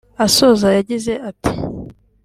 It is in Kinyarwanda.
Asoza yagize ati